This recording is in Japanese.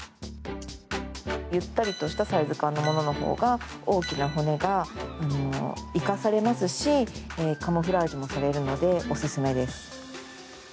ゆったりとしたサイズ感のもののほうが大きな骨が生かされますしカムフラージュもされるのでおすすめです。